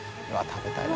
食べたい。